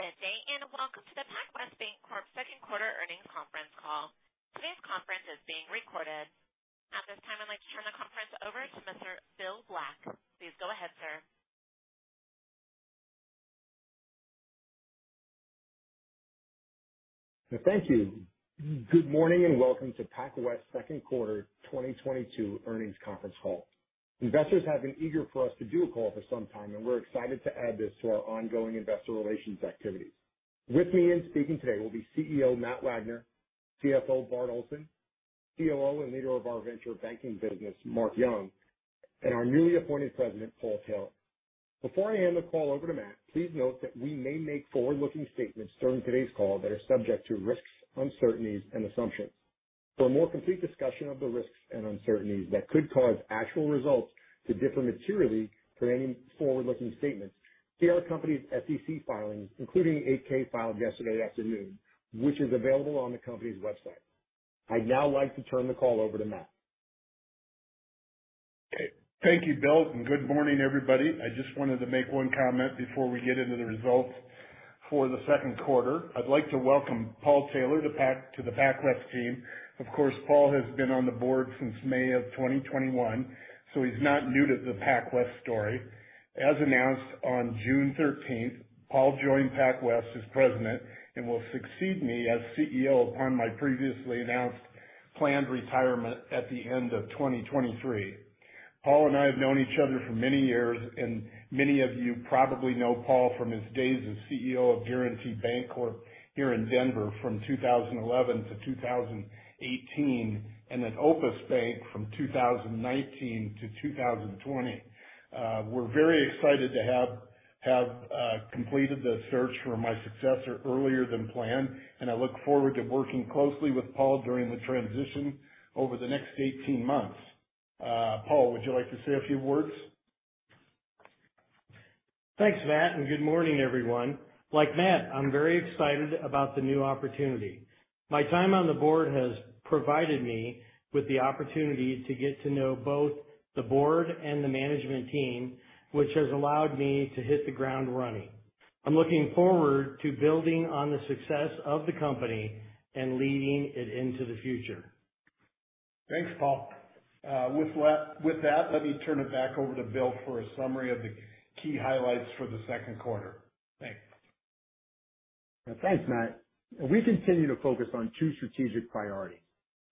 Good day, and welcome to the PacWest Bancorp second quarter earnings conference call. Today's conference is being recorded. At this time, I'd like to turn the conference over to Mr. William Black. Please go ahead, sir. Thank you. Good morning, and welcome to PacWest second quarter 2022 earnings conference call. Investors have been eager for us to do a call for some time, and we're excited to add this to our ongoing investor relations activities. With me and speaking today will be CEO Matt Wagner, CFO Bart Olson, COO and leader of our venture banking business, Mark Yung, and our newly appointed president, Paul Taylor. Before I hand the call over to Matt, please note that we may make forward-looking statements during today's call that are subject to risks, uncertainties, and assumptions. For a more complete discussion of the risks and uncertainties that could cause actual results to differ materially from any forward-looking statements, see our company's SEC filings, including eight-K filed yesterday afternoon, which is available on the company's website. I'd now like to turn the call over to Matt. Thank you, Bill, and good morning, everybody. I just wanted to make one comment before we get into the results for the second quarter. I'd like to welcome Paul Taylor to the PacWest team. Of course, Paul has been on the board since May of 2021, so he's not new to the PacWest story. As announced on June thirteenth, Paul joined PacWest as president and will succeed me as CEO upon my previously announced planned retirement at the end of 2023. Paul and I have known each other for many years, and many of you probably know Paul from his days as CEO of Guaranty Bancorp here in Denver from 2011 to 2018, and then Opus Bank from 2019 to 2020. We're very excited to have completed the search for my successor earlier than planned, and I look forward to working closely with Paul during the transition over the next 18 months. Paul, would you like to say a few words? Thanks, Matt, and good morning, everyone. Like Matt, I'm very excited about the new opportunity. My time on the board has provided me with the opportunity to get to know both the board and the management team, which has allowed me to hit the ground running. I'm looking forward to building on the success of the company and leading it into the future. Thanks, Paul. With that, let me turn it back over to Bill for a summary of the key highlights for the second quarter. Thanks. Thanks, Matt. We continue to focus on two strategic priorities,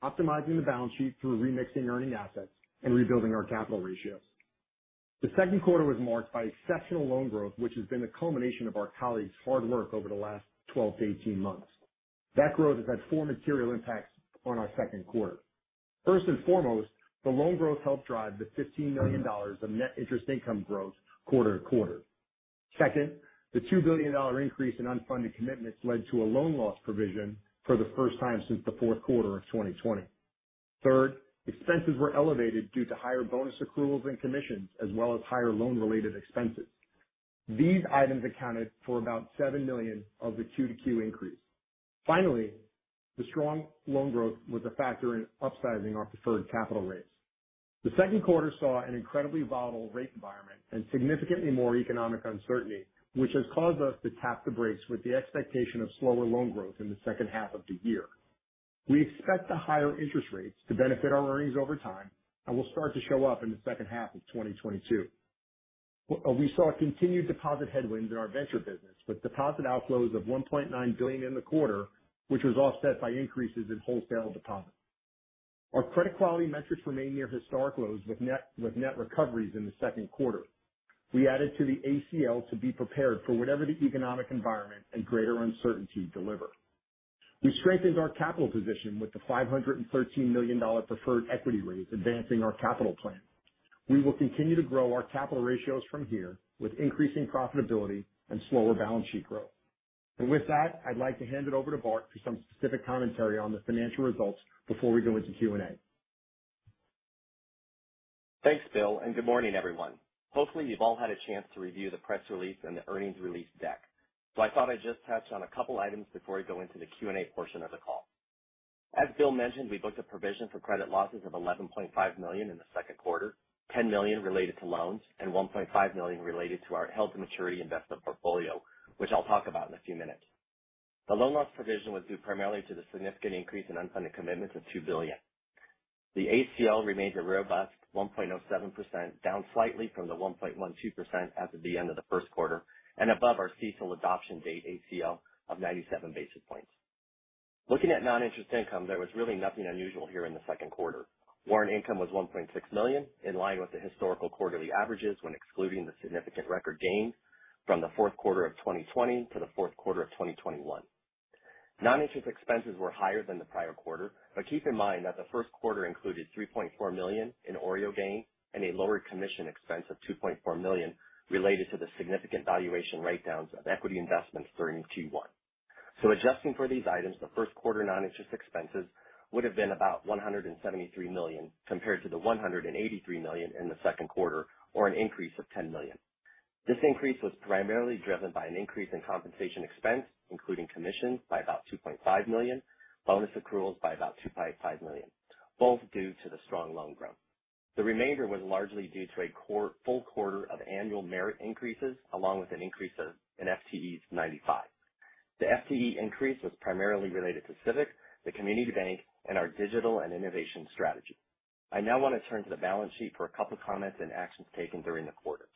optimizing the balance sheet through remixing earning assets and rebuilding our capital ratios. The second quarter was marked by exceptional loan growth, which has been a culmination of our colleagues' hard work over the last 12 to 18 months. That growth has had four material impacts on our second quarter. First and foremost, the loan growth helped drive the $15 million of net interest income growth quarter to quarter. Second, the $2 billion increase in unfunded commitments led to a loan loss provision for the first time since the fourth quarter of 2020. Third, expenses were elevated due to higher bonus accruals and commissions, as well as higher loan-related expenses. These items accounted for about $7 million of the Q to Q increase. Finally, the strong loan growth was a factor in upsizing our preferred capital rates. The second quarter saw an incredibly volatile rate environment and significantly more economic uncertainty, which has caused us to tap the brakes with the expectation of slower loan growth in the second half of the year. We expect the higher interest rates to benefit our earnings over time and will start to show up in the second half of 2022. We saw continued deposit headwinds in our venture business with deposit outflows of $1.9 billion in the quarter, which was offset by increases in wholesale deposits. Our credit quality metrics remain near historic lows with net recoveries in the second quarter. We added to the ACL to be prepared for whatever the economic environment and greater uncertainty deliver. We strengthened our capital position with the $513 million preferred equity raise advancing our capital plan. We will continue to grow our capital ratios from here with increasing profitability and slower balance sheet growth. With that, I'd like to hand it over to Bart for some specific commentary on the financial results before we go into Q&A. Thanks, Bill, and good morning, everyone. Hopefully, you've all had a chance to review the press release and the earnings release deck. I thought I'd just touch on a couple items before we go into the Q&A portion of the call. As Bill mentioned, we booked a provision for credit losses of $11.5 million in the second quarter, $10 million related to loans and $1.5 million related to our held-to-maturity investment portfolio, which I'll talk about in a few minutes. The loan loss provision was due primarily to the significant increase in unfunded commitments of $2 billion. The ACL remains a robust 1.07%, down slightly from the 1.12% as of the end of the first quarter and above our CECL adoption date ACL of 97 basis points. Looking at noninterest income, there was really nothing unusual here in the second quarter. Warrant income was $1.6 million, in line with the historical quarterly averages when excluding the significant record gains from the fourth quarter of 2020 to the fourth quarter of 2021. Noninterest expenses were higher than the prior quarter, but keep in mind that the first quarter included $3.4 million in OREO gain and a lower commission expense of $2.4 million related to the significant valuation write-downs of equity investments during Q1. Adjusting for these items, the first quarter noninterest expenses would have been about $173 million compared to the $183 million in the second quarter, or an increase of $10 million. This increase was primarily driven by an increase in compensation expense, including commissions by about $2.5 million, bonus accruals by about $2.5 million, both due to the strong loan growth. The remainder was largely due to a full quarter of annual merit increases, along with an increase in FTEs of 95. The FTE increase was primarily related to Civic, the community bank, and our digital and innovation strategy. I now want to turn to the balance sheet for a couple comments and actions taken during the quarter.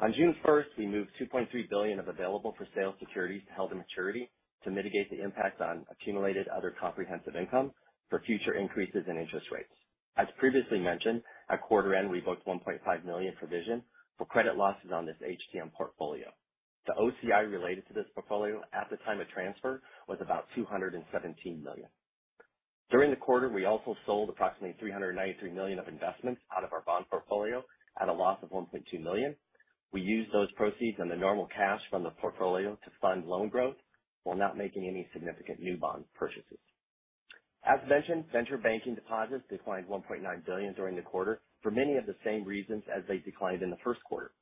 On June 1, we moved $2.3 billion of available-for-sale securities to held-to-maturity to mitigate the impact on accumulated other comprehensive income for future increases in interest rates. As previously mentioned, at quarter end, we booked $1.5 million provision for credit losses on this HTM portfolio. The OCI related to this portfolio at the time of transfer was about $217 million. During the quarter, we also sold approximately $393 million of investments out of our bond portfolio at a loss of $1.2 million. We used those proceeds and the normal cash from the portfolio to fund loan growth while not making any significant new bond purchases. As mentioned, venture banking deposits declined $1.9 billion during the quarter for many of the same reasons as they declined in the first quarter.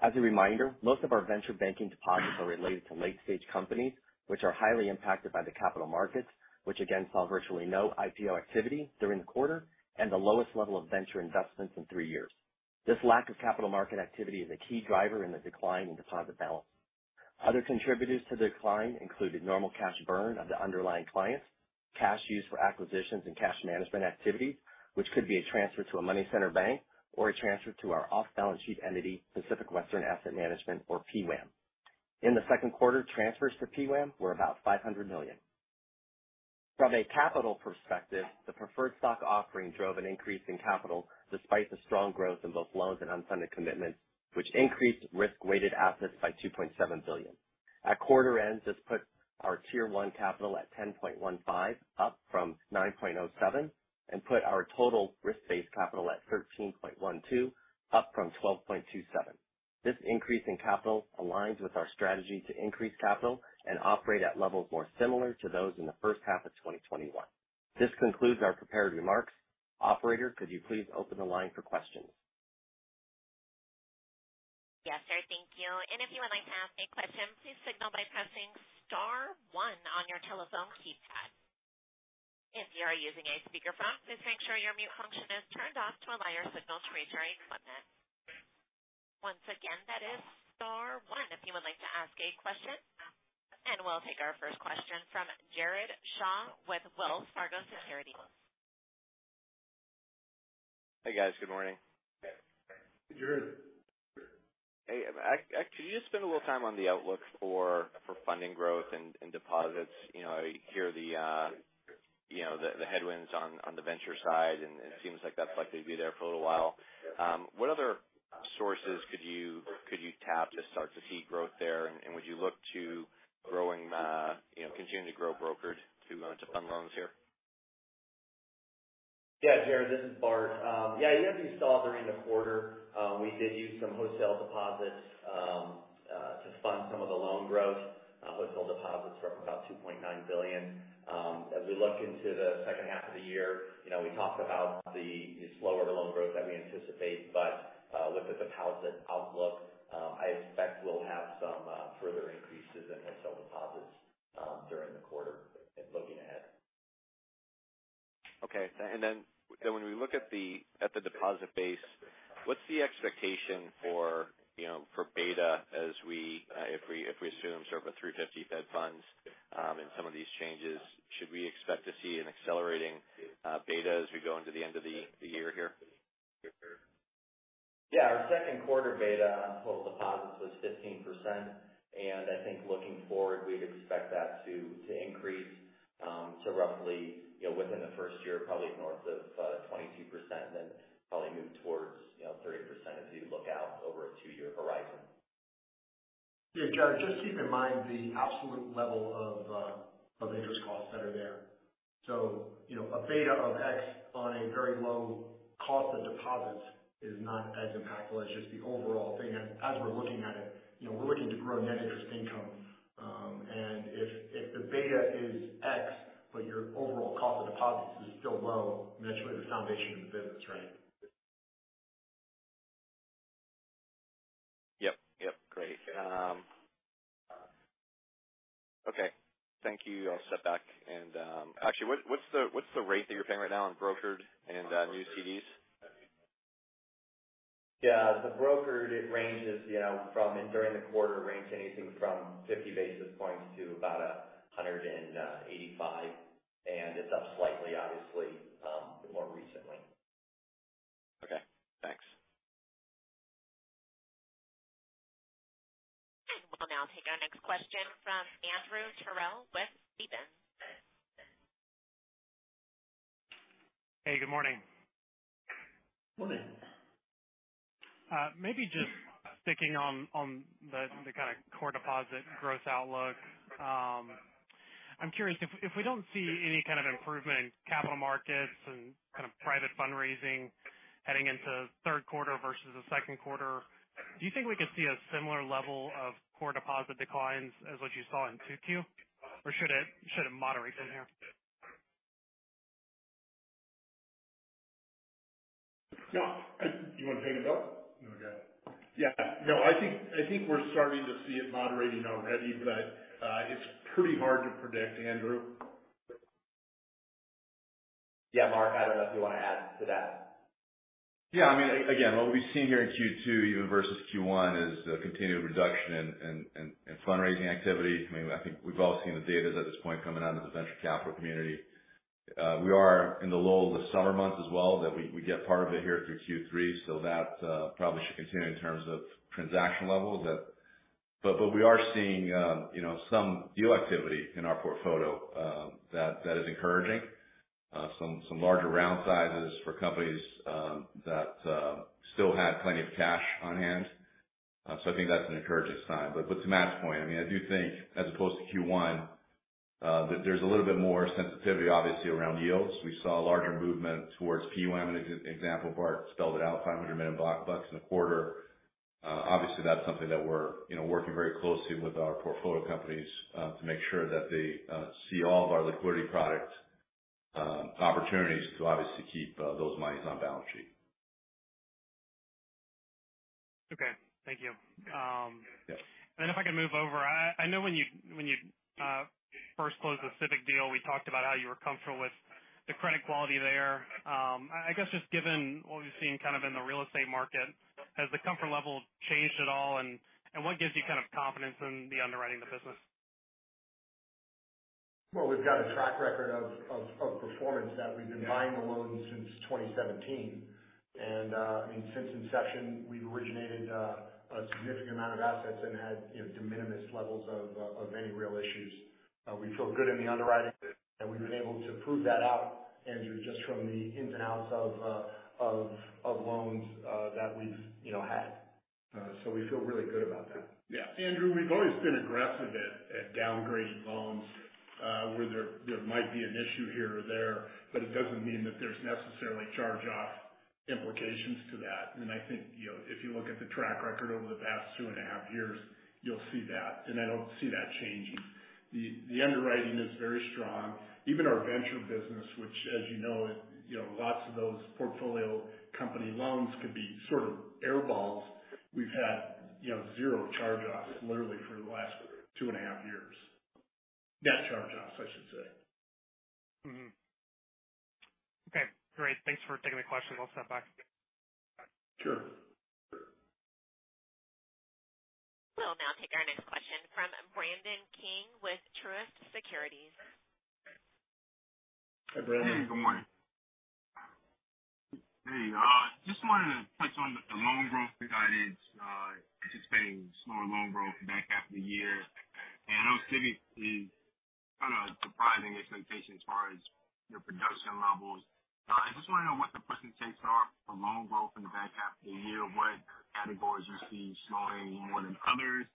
As a reminder, most of our venture banking deposits are related to late stage companies which are highly impacted by the capital markets, which again saw virtually no IPO activity during the quarter and the lowest level of venture investments in three years. This lack of capital market activity is a key driver in the decline in deposit balance. Other contributors to the decline included normal cash burn of the underlying clients, cash used for acquisitions and cash management activity, which could be a transfer to a money center bank or a transfer to our off-balance sheet entity, Pacific Western Asset Management, or PWAM. In the second quarter, transfers to PWAM were about $500 million. From a capital perspective, the preferred stock offering drove an increase in capital despite the strong growth in both loans and unfunded commitments, which increased risk-weighted assets by $2.7 billion. At quarter end, this put our tier one capital at 10.15%, up from 9.07%, and put our total risk-based capital at 13.12%, up from 12.27%. This increase in capital aligns with our strategy to increase capital and operate at levels more similar to those in the first half of 2021. This concludes our prepared remarks. Operator, could you please open the line for questions? Yes, sir. Thank you. If you would like to ask a question, please signal by pressing star one on your telephone keypad. If you are using a speakerphone, please make sure your mute function is turned off to allow your signal to reach our equipment. Once again, that is star one if you would like to ask a question. We'll take our first question from Jared Shaw with Wells Fargo Securities. Hey, guys. Good morning. Hey. Jared. Hey, could you just spend a little time on the outlook for funding growth and deposits? You know, I hear the headwinds on the venture side and it seems like that's likely to be there for a little while. What other sources could you tap to start to see growth there? And would you look to growing, you know, continue to grow brokered to fund loans here? Yeah, Jared, this is Bart. Yeah, as you saw during the quarter, we did use some wholesale deposits to fund some of the loan growth. Wholesale deposits were up about $2.9 billion. As we look into the second half of the year, you know, we talked about the slower loan growth that we anticipate. With the deposit outlook, I expect we'll have some further increases in wholesale deposits during the quarter and looking ahead. Okay. When we look at the deposit base, what's the expectation for, you know, for beta as we if we assume sort of a 350 Fed funds and some of these changes, should we expect to see an accelerating beta as we go into the end of the year here? Our second quarter beta on total deposits was 15%. I think looking forward, we'd expect that to increase to roughly, you know, within the first year, probably north of 22% and then probably move towards, you know, 30% as you look out over a two-year horizon. Yeah, Jared, just keep in mind the absolute level of interest costs that are there. You know, a beta of X on a very low cost of deposits is not as impactful as just the overall thing. As we're looking at it, you know, we're looking to grow net interest income. And if the beta is X but your overall cost of deposits is still low, and that's really the foundation of the business, right? Yep. Yep. Great. Okay. Thank you. I'll step back and actually, what's the rate that you're paying right now on brokered and new CDs? Yeah, the brokered, it ranges, you know, from and during the quarter ranged anything from 50 basis points to about 185, and it's up slightly, obviously, more recently. Okay, thanks. We'll now take our next question from Andrew Terrell with B. Riley. Hey, good morning. Morning. Maybe just sticking on the kind of core deposit growth outlook. I'm curious if we don't see any kind of improvement in capital markets and kind of private fundraising heading into third quarter versus the second quarter, do you think we could see a similar level of core deposit declines as what you saw in 2Q, or should it moderate from here? Yeah. You want to take it, Bill? No, go ahead. Yeah. No, I think we're starting to see it moderating already, but it's pretty hard to predict, Andrew. Yeah, Mark, I don't know if you want to add to that. I mean, again, what we've seen here in Q2 even versus Q1 is the continued reduction in fundraising activity. I mean, I think we've all seen the data at this point coming out of the venture capital community. We are in the lull of the summer months as well that we get part of it here through Q3. That probably should continue in terms of transaction levels. We are seeing, you know, some deal activity in our portfolio that is encouraging, some larger round sizes for companies that still had plenty of cash on hand. I think that's an encouraging sign. To Matt's point, I mean, I do think as opposed to Q1 that there's a little bit more sensitivity obviously around yields. We saw a larger movement towards PWAM, an example of where it spelled it out, $500 million big bucks in a quarter. Obviously that's something that we're, you know, working very closely with our portfolio companies, to make sure that they see all of our liquidity product opportunities to obviously keep those monies on balance sheet. Okay. Thank you. Yeah. If I can move over. I know when you first closed the Civic deal, we talked about how you were comfortable with the credit quality there. I guess just given what we've seen kind of in the real estate market, has the comfort level changed at all? What gives you kind of confidence in the underwriting of the business? Well, we've got a track record of performance that we've been buying the loans since 2017. I mean, since inception, we've originated a significant amount of assets and had, you know, de minimis levels of any real issues. We feel good in the underwriting, and we've been able to prove that out, Andrew, just from the ins and outs of loans that we've, you know, had. We feel really good about that. Yeah. Andrew, we've always been aggressive at downgrading loans where there might be an issue here or there, but it doesn't mean that there's necessarily charge-off implications to that. I think, you know, if you look at the track record over the past two and a half years, you'll see that, and I don't see that changing. The underwriting is very strong. Even our venture business, which as you know, lots of those portfolio company loans could be sort of air balls. We've had, you know, zero charge-offs literally for the last two and a half years. Net charge-offs, I should say. Okay, great. Thanks for taking the question. I'll step back. Sure. We'll now take our next question from Brandon King with Truist Securities. Hi, Brandon. Good morning. Hey, just wanted to touch on the loan growth guidance, anticipating slower loan growth in the back half of the year. I know Civic is kind of surpassing expectations as far as your production levels. I just want to know what the percentages are for loan growth in the back half of the year. What categories you see slowing more than others,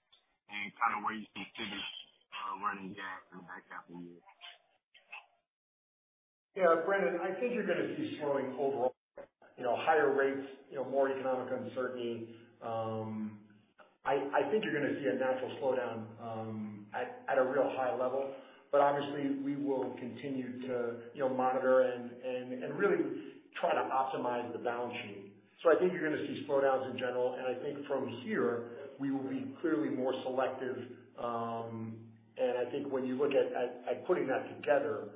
and kind of where you see Civic run rates in the back half of the year. Yeah, Brandon, I think you're going to see slowing overall. You know, higher rates, you know, more economic uncertainty. I think you're going to see a natural slowdown at a real high level. But obviously we will continue to, you know, monitor and really try to optimize the balance sheet. I think you're going to see slowdowns in general, and I think from here we will be clearly more selective, and I think when you look at putting that together,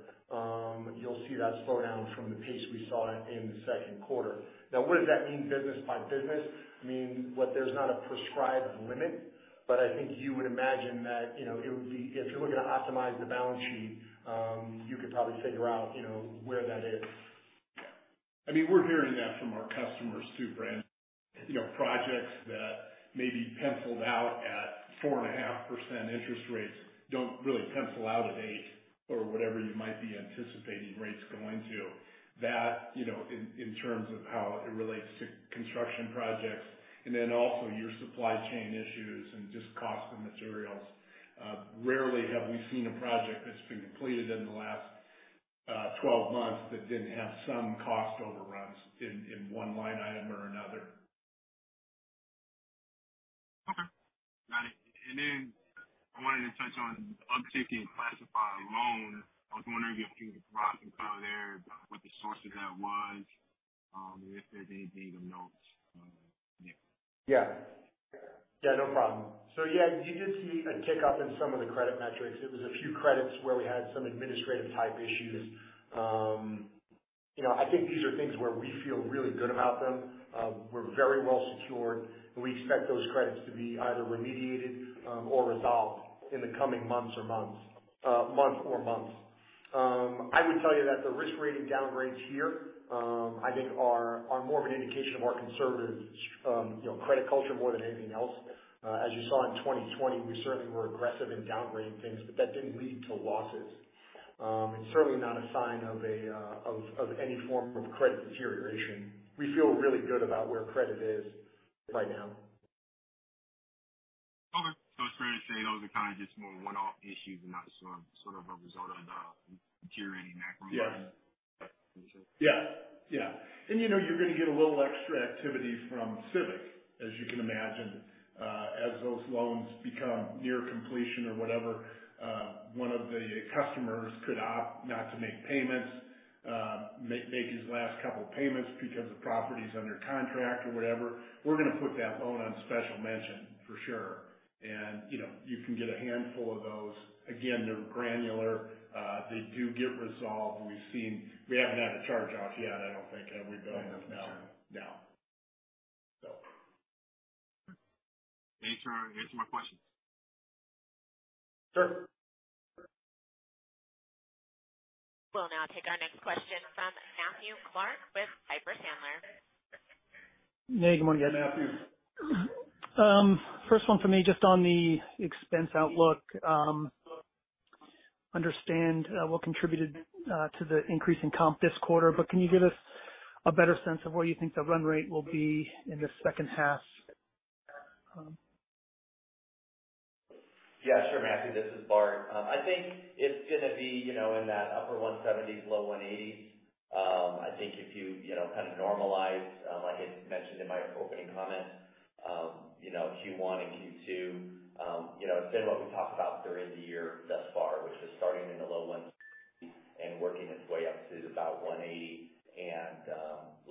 you'll see that slowdown from the pace we saw in the second quarter. Now, what does that mean business by business? I mean, what there's not a prescribed limit, but I think you would imagine that, you know, it would be if you're looking to optimize the balance sheet, you could probably figure out, you know, where that is. I mean, we're hearing that from our customers too, Brandon. You know, projects that may be penciled out at 4.5% interest rates don't really pencil out at 8% or whatever you might be anticipating rates going to. That, you know, in terms of how it relates to construction projects and then also your supply chain issues and just cost of materials. Rarely have we seen a project that's been completed in the last 12 months that didn't have some cost overruns in one line item or another. Okay. Got it. I wanted to touch on the uptick in classified loans. I was wondering if you could walk me through there, what the source of that was, and if there's any data notes on that. Yeah. Yeah. Yeah, no problem. Yeah, you did see a tick up in some of the credit metrics. It was a few credits where we had some administrative type issues. You know, I think these are things where we feel really good about them. We're very well secured, and we expect those credits to be either remediated or resolved in the coming months. I would tell you that the risk rating downgrades here, I think are more of an indication of our conservative, you know, credit culture more than anything else. As you saw in 2020, we certainly were aggressive in downgrading things, but that didn't lead to losses. It's certainly not a sign of any form of credit deterioration. We feel really good about where credit is right now. Okay. Just to reiterate, those are kind of just more one-off issues and not sort of a result of deteriorating macro environment. Yes. Got you. You know, you're going to get a little extra activity from Civic, as you can imagine, as those loans become near completion or whatever. One of the customers could opt not to make payments. Make his last couple payments because the property's under contract or whatever. We're gonna put that loan on special mention for sure. You know, you can get a handful of those. Again, they're granular. They do get resolved. We've seen we haven't had a charge-off yet, I don't think, have we, Bill? I don't think so, no. No. Thanks for answering my questions. Sure. We'll now take our next question from Matthew Clark with Piper Sandler. Matt Wagner, good morning. Yeah, Matthew. First one for me, just on the expense outlook. Understand what contributed to the increase in comp this quarter, but can you give us a better sense of where you think the run rate will be in the second half? Yeah, sure, Matthew, this is Bart. I think it's gonna be, you know, in that upper $170s-low $180s. I think if you know, kind of normalize, like I mentioned in my opening comments, you know, Q1 and Q2, you know, it's been what we talked about during the year thus far, which is starting in the low $100s and working its way up to about $180.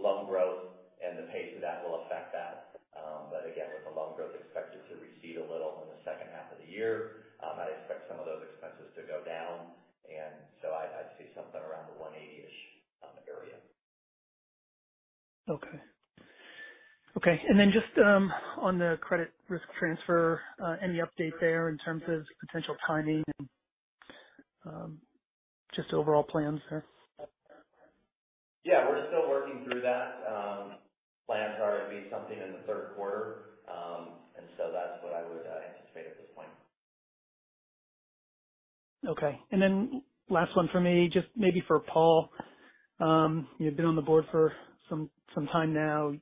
Loan growth and the pace of that will affect that. Again, with the loan growth expected to recede a little in the second half of the year, I'd expect some of those expenses to go down. I'd say something around the $180-ish area. Okay, just on the credit risk transfer, any update there in terms of potential timing and just overall plans there? Yeah, we're still working through that. Plans are to be something in the third quarter. That's what I would anticipate at this point. Okay. Last one for me, just maybe for Paul. You've been on the board for some time now.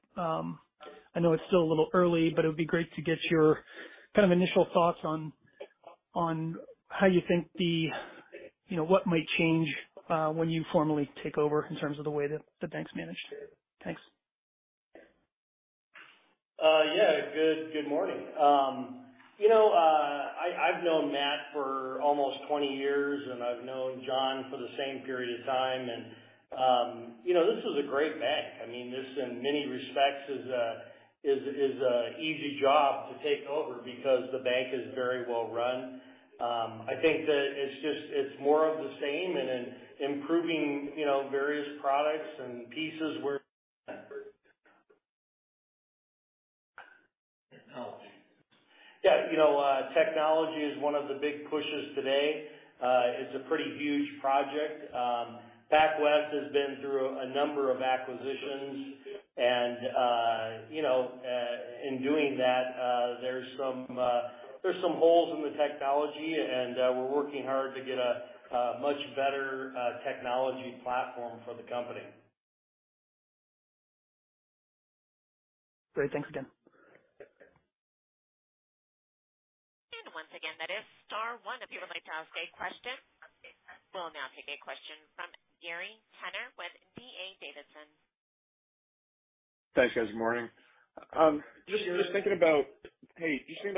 I know it's still a little early, but it would be great to get your kind of initial thoughts on how you think the you know what might change when you formally take over in terms of the way that the bank's managed. Thanks. Yeah. Good morning. You know, I've known Matt for almost 20 years, and I've known John for the same period of time. You know, this is a great bank. I mean, this in many respects is an easy job to take over because the bank is very well run. I think that it's just more of the same and then improving, you know, various products and pieces where Technology. Yeah. You know, technology is one of the big pushes today. It's a pretty huge project. PacWest has been through a number of acquisitions and, you know, in doing that, there's some holes in the technology and, we're working hard to get a much better technology platform for the company. Great. Thanks, again. Once again, that is star one if you would like to ask a question. We'll now take a question from Gary Tenner with D.A. Davidson. Thanks, guys. Morning. Just thinking about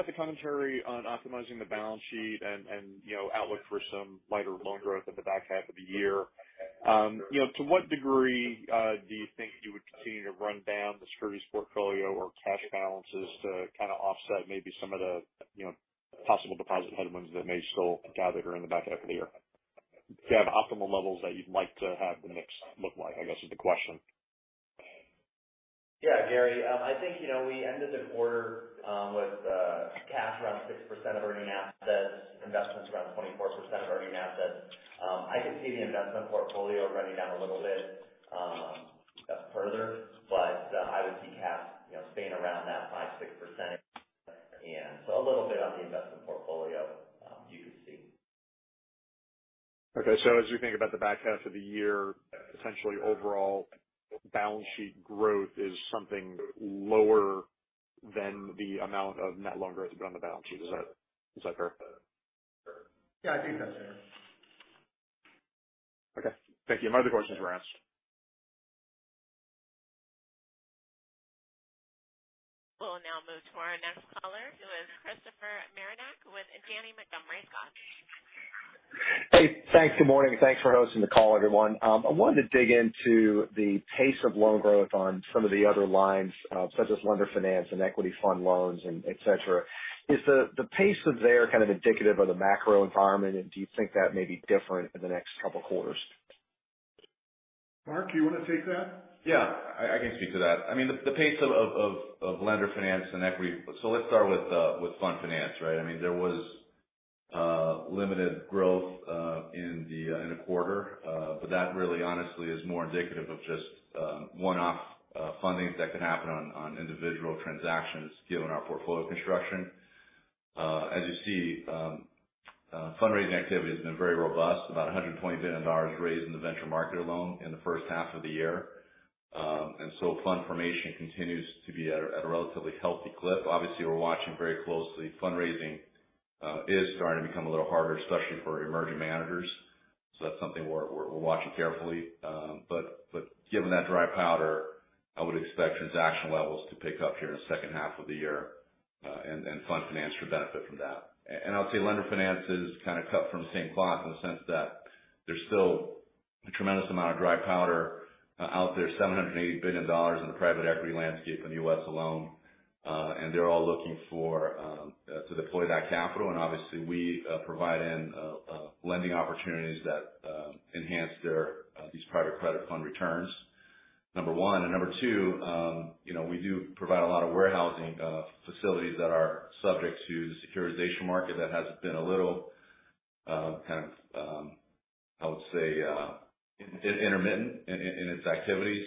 the commentary on optimizing the balance sheet and, you know, outlook for some lighter loan growth in the back half of the year. You know, to what degree do you think you would continue to run down the securities portfolio or cash balances to kinda offset maybe some of the, you know, possible deposit headwinds that may still gather in the back half of the year? Do you have optimal levels that you'd like to have the mix look like, I guess is the question. Yeah, Gary. I think, you know, we ended the quarter with cash around 6% of earning assets, investments around 24% of earning assets. I could see the investment portfolio running down a little bit further, but I would see cash, you know, staying around that 5%-6%. A little bit on the investment portfolio, you could see. Okay. As you think about the back half of the year, essentially overall balance sheet growth is something lower than the amount of net loan growth but on the balance sheet. Is that fair? Yeah, I think that's fair. Okay. Thank you. My other questions were asked. We'll now move to our next caller, who is Christopher Marinac with Janney Montgomery Scott. Hey, thanks. Good morning, and thanks for hosting the call, everyone. I wanted to dig into the pace of loan growth on some of the other lines, such as lender finance and equity fund loans and et cetera. Is the pace there kind of indicative of the macro environment? Do you think that may be different in the next couple quarters? Mark, you wanna take that? Yeah. I can speak to that. I mean, the pace of lender finance and equity. Let's start with fund finance, right? I mean, there was limited growth in the quarter. That really honestly is more indicative of just one-off fundings that can happen on individual transactions given our portfolio construction. As you see, fundraising activity has been very robust, about $120 billion raised in the venture market alone in the first half of the year. Fund formation continues to be at a relatively healthy clip. Obviously, we're watching very closely. Fundraising is starting to become a little harder, especially for emerging managers. That's something we're watching carefully. Given that dry powder I would expect transaction levels to pick up here in the second half of the year, and fund finance should benefit from that. I would say lender finance is kind of cut from the same cloth in the sense that there's still a tremendous amount of dry powder out there, $780 billion in the private equity landscape in the U.S. alone. They're all looking for to deploy that capital, and obviously we provide lending opportunities that enhance their these private credit fund returns, number one. Number two, you know, we do provide a lot of warehousing facilities that are subject to the securitization market that has been a little kind of I would say intermittent in its activities.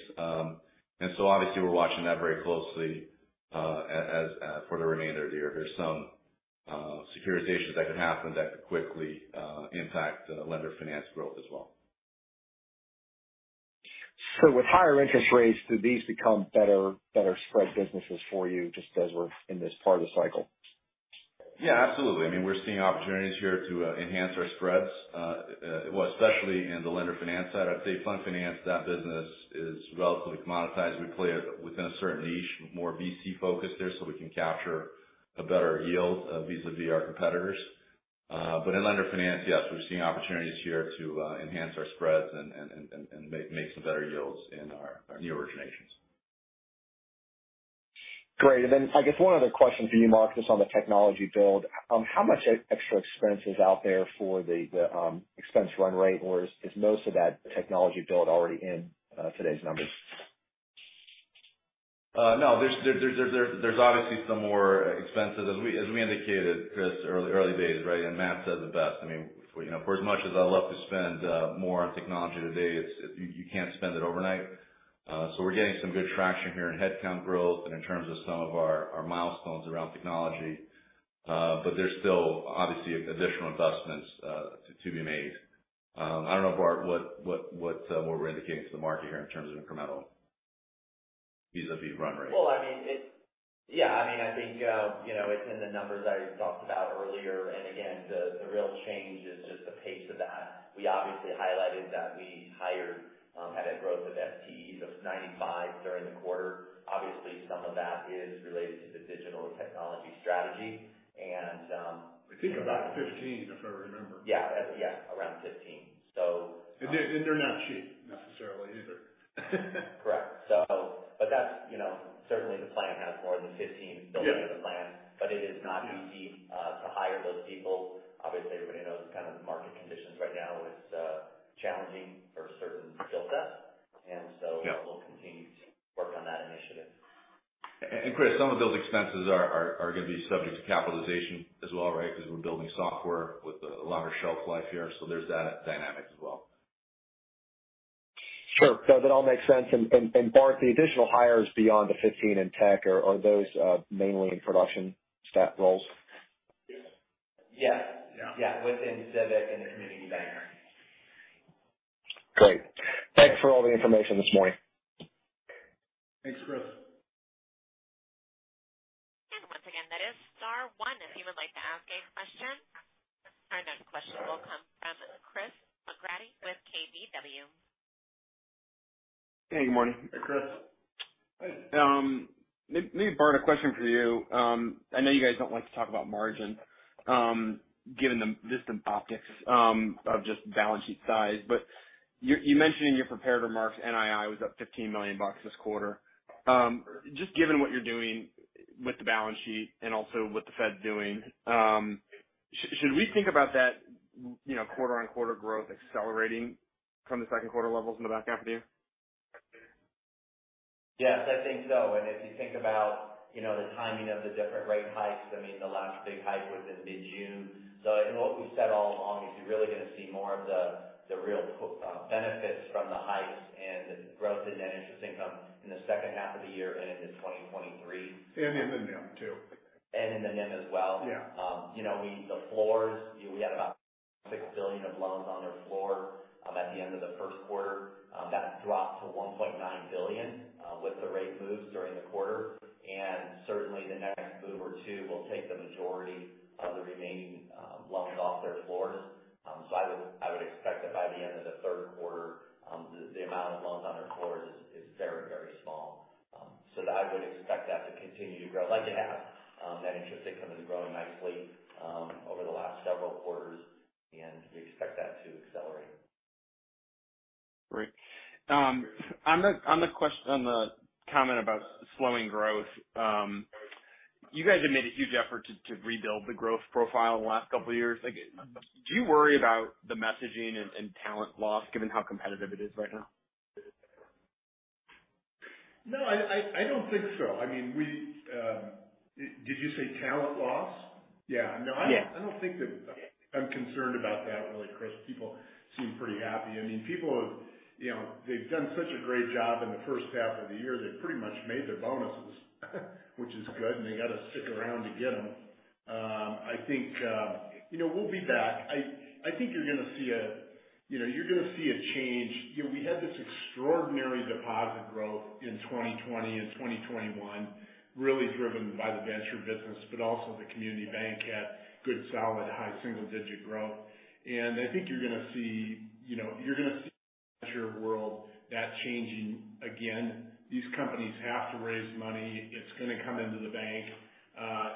Obviously we're watching that very closely as for the remainder of the year. There's some securitizations that could happen that could quickly impact the lender finance growth as well. With higher interest rates, do these become better spread businesses for you just as we're in this part of the cycle? Yeah, absolutely. I mean, we're seeing opportunities here to enhance our spreads. Well, especially in the lender finance side. I'd say fund finance, that business is relatively commoditized. We play within a certain niche, more VC focused there, so we can capture a better yield vis-a-vis our competitors. In lender finance, yes, we're seeing opportunities here to enhance our spreads and make some better yields in our new originations. Great. I guess one other question for you, Mark, just on the technology build. How much extra expense is out there for the expense run rate, or is most of that technology build already in today's numbers? No, there's obviously some more expenses as we indicated, Chris, early days, right? Matt said it best. I mean, you know, for as much as I love to spend more on technology today, it's, you can't spend it overnight. We're getting some good traction here in headcount growth and in terms of some of our milestones around technology. There's still obviously additional investments to be made. I don't know, Bart, what we're indicating to the market here in terms of incremental vis-a-vis run rate. Well, I mean, it's, yeah, I mean, I think, you know, it's in the numbers I talked about earlier. Again, the real change is just the pace of that. We obviously highlighted that we had a growth of FTEs of 95 during the quarter. Obviously, some of that is related to the digital technology strategy. I think about 15, if I remember. Yeah. Yeah, around 15. They're not cheap necessarily either. Correct. That's, you know, certainly the plan has more than 15- Yeah. Building in the plan. It is not easy to hire those people. Obviously, everybody knows the kind of market conditions right now is challenging for certain skill sets. So- Yeah. We'll continue to work on that initiative. Chris, some of those expenses are gonna be subject to capitalization as well, right? Because we're building software with a longer shelf life here. There's that dynamic as well. Sure. Does it all make sense? Bart, the additional hires beyond the 15 in tech, are those mainly in production staff roles? Yes. Yeah. Yeah. Yeah. Within Civic and the community bank. Great. Thanks for all the information this morning. Thanks, Chris. Once again, that is star one if you would like to ask a question. Our next question will come from Christopher McGratty with KBW. Hey, good morning. Hey, Chris. Maybe Bart, a question for you. I know you guys don't like to talk about margin, given the recent optics of just balance sheet size. You mentioned in your prepared remarks, NII was up $15 million this quarter. Just given what you're doing with the balance sheet and also what the Fed's doing, should we think about that, you know, quarter-over-quarter growth accelerating from the second quarter levels in the back half of the year? Yes, I think so. If you think about, you know, the timing of the different rate hikes, I mean, the last big hike was in mid-June. What we've said all along is you're really gonna see more of the real benefits from the hikes and growth in net interest income in the second half of the year and into 2023. In the NIM too. In the NIM as well. Yeah. You know, we had about $6 billion of loans on their floor at the end of the first quarter. That dropped to $1.9 billion with the rate moves during the quarter. Certainly the next move or two will take the majority of the remaining loans off their floors. I would expect that by the end of the third quarter, the amount of loans on their floors is very small. I would expect that to continue to grow like it has. Net interest income has been growing nicely over the last several quarters, and we expect that to accelerate. Great. On the comment about slowing growth. You guys have made a huge effort to rebuild the growth profile in the last couple of years. Like, do you worry about the messaging and talent loss given how competitive it is right now? No, I don't think so. I mean, did you say talent loss? Yeah. No, I don't think that I'm concerned about that, really, Chris. People seem pretty happy. I mean, people have, you know, they've done such a great job in the first half of the year. They've pretty much made their bonuses, which is good, and they gotta stick around to get them. I think, you know, we'll be back. I think you're gonna see a change. You know, we had this extraordinary deposit growth in 2020 and 2021, really driven by the venture banking, but also the community bank had good, solid, high single digit growth. I think you're gonna see Venture world, that's changing again. These companies have to raise money. It's gonna come into the bank.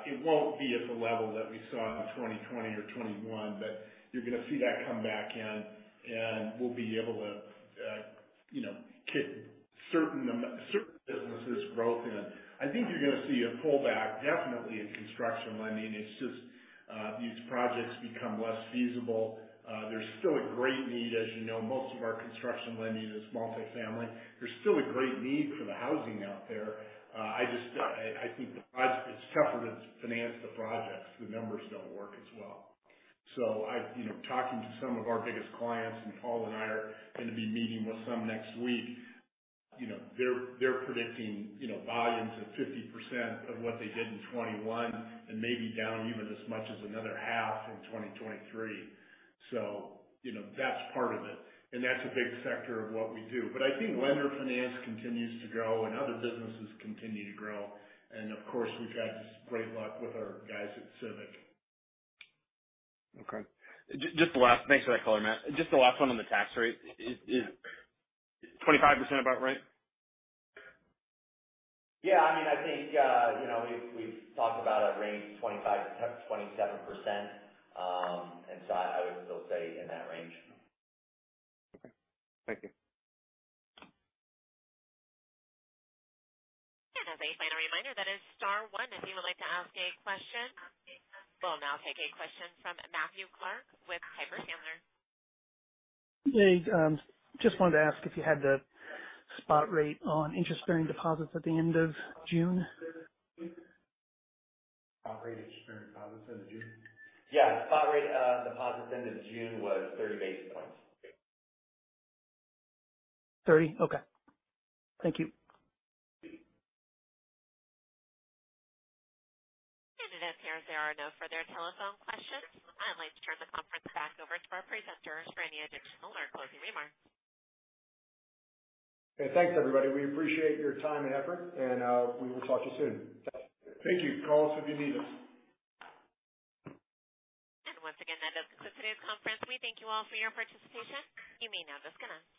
It won't be at the level that we saw in 2020 or 2021, but you're gonna see that come back in, and we'll be able to, you know, kick certain businesses growth in. I think you're gonna see a pullback definitely in construction lending. It's just, these projects become less feasible. There's still a great need. As you know, most of our construction lending is multifamily. There's still a great need for the housing out there. I just, I think it's tougher to finance the projects. The numbers don't work as well. So I've, you know, talking to some of our biggest clients, and Paul and I are gonna be meeting with some next week. You know, they're predicting, you know, volumes of 50% of what they did in 2021 and maybe down even as much as another half in 2023. You know, that's part of it, and that's a big sector of what we do. I think lender finance continues to grow and other businesses continue to grow. Of course, we've had great luck with our guys at Civic. Thanks for that color, Matt. Just the last one on the tax rate. Is 25% about right? Yeah. I mean, I think, you know, we've talked about a range of 25%-27%. I would still say in that range. Okay. Thank you. As a final reminder, that is star one if you would like to ask a question. We'll now take a question from Matthew Clark with Piper Sandler. Hey. Just wanted to ask if you had the spot rate on interest-bearing deposits at the end of June? Spot rate interest-bearing deposits end of June? Yeah. Spot rate, deposits end of June was 30 basis points. 30? Okay. Thank you. It appears there are no further telephone questions. I'd like to turn the conference back over to our presenters for any additional or closing remarks. Hey, thanks, everybody. We appreciate your time and effort, and we will talk to you soon. Thank you. Call us if you need us. Once again, that does conclude today's conference. We thank you all for your participation. You may now disconnect.